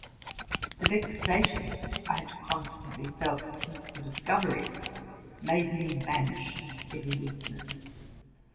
The vexation I had constantly felt since the discovery made me banish every weakness.